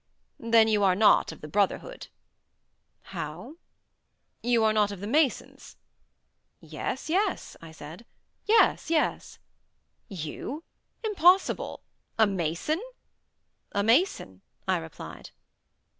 "Then you are not of the brotherhood." "How?" "You are not of the masons." "Yes, yes," I said, "yes, yes." "You? Impossible! A mason?" "A mason," I replied.